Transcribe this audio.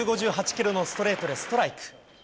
１５８キロのストレートでストライク。